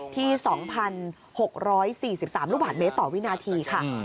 ที่๒๖๔๓ลูกบาทเมตรต่อวินาทีค่ะ